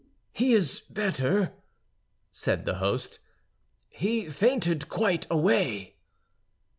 "He is better," said the host, "he fainted quite away."